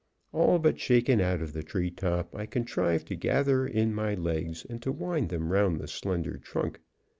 All but shaken out of the tree top, I contrived to gather in my legs and to wind them round the slender trunk.